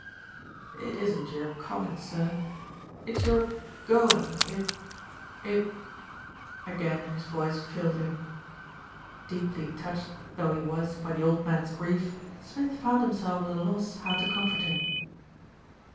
"It isn't your coming, sir, it's your going. It it " Again his voice failed him. Deeply touched though he was by the old man's grief, Smith found himself at a loss how to comfort him.